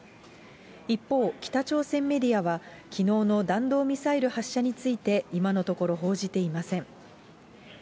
一方、北朝鮮メディアは、きのうの弾道ミサイル発射について、今のところ、報じていません。